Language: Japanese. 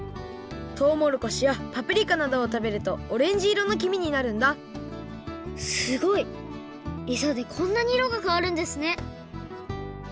とうもろこしやパプリカなどをたべるとオレンジ色のきみになるんだすごい！えさでこんなに色がかわるんですね